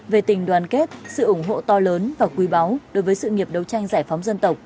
về tình đoàn kết sự ủng hộ to lớn và quý báu đối với sự nghiệp đấu tranh giải phóng dân tộc